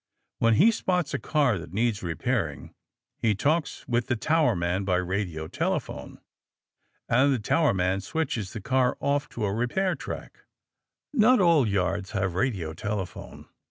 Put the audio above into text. When he spots a car that needs repairing, he talks with the towerman by radio telephone. And the towerman switches the car off to a repair track. (Not all yards have radio telephone.